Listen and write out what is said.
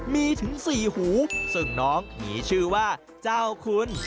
มีถึงสี่หูซึ่งน้องมีชื่อว่าเจ้าคุณ